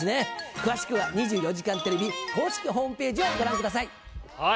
詳しくは２４時間テレビ公式ホームページをご覧ください。